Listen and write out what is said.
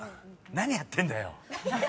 何やってんだよ